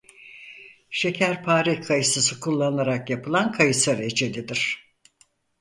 Şekerpare kayısısı kullanılarak yapılan kayısı reçelidir.